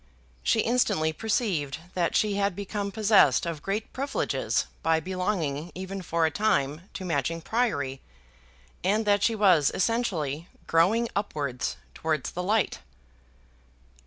She instantly perceived that she had become possessed of great privileges by belonging even for a time to Matching Priory, and that she was essentially growing upwards towards the light.